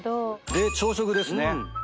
で朝食ですね。